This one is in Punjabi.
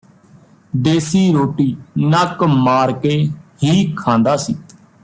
ਦੇਸੀ ਰੋਟੀ ਨੱਕ ਮਾਰਕੇ ਹੀ ਖਾਂਦਾ ਸੀ